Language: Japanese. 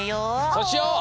そうしよう！